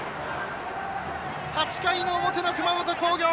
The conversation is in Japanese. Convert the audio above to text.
８回の表の熊本工業。